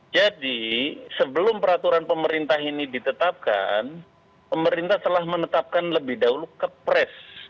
jadi sebelum peraturan pemerintah ini ditetapkan pemerintah telah menetapkan lebih dahulu kepres